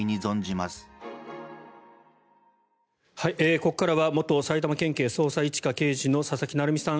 ここからは元埼玉県警捜査１課刑事の佐々木成三さん